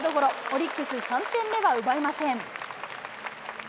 オリックス、３点目は奪えません。